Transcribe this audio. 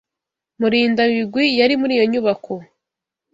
Murindabigwi yari muri iyo nyubako.